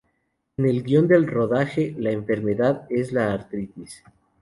En el guion del rodaje, la enfermedad es la artritis.